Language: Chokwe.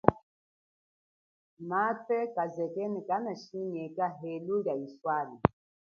Mathu kazekene kanashinginyeka helu lia iswale.